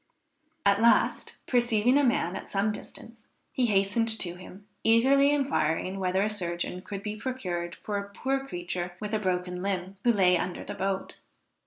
At last, perceiving a man at some distance, he hastened to him, eagerly inquiring whether a surgeon could be procured for a poor creature with a broken limb, who lay under the boat.